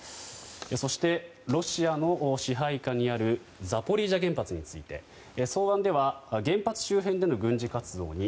そして、ロシアの支配下にあるザポリージャ原発について草案では原発周辺での軍事活動に